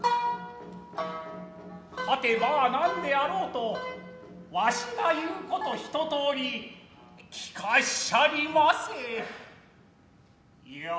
ハテマア何であろうとわしが言うこと一通り聞かっしゃりませヤ。